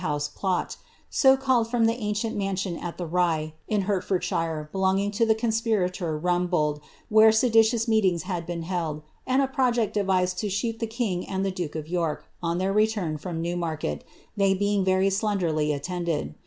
house plot, so called from the ancient mansion at the Rye, iu H shire, belonging to the conspirator Rumbold, where seditious n had been held, and a project devised to shoot the king and the i York, on their return from Newmarket, they being very slendi tended.